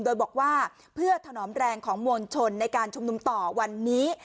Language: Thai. โดยบอกว่าเพื่อถนอมแรงของมวลชนในการชุมนุมต่อวันนี้